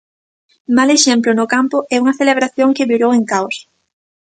Mal exemplo no campo e unha celebración que virou en caos.